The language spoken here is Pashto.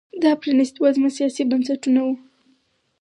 دا پرانیست وزمه سیاسي بنسټونه وو